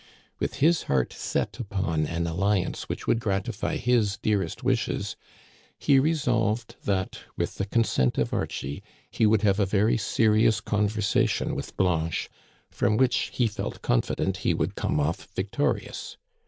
With his heart set upon an alliance which would gratify his dearest wishes, he resolved that, with the consent of Archie, he would have a very seri ous conversation with Blanche, from which he felt con fident he would come off victorious.